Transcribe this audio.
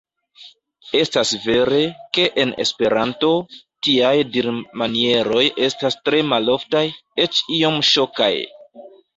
Estas vere, ke en Esperanto, tiaj dirmanieroj estas tre maloftaj, eĉ iom ŝokaj.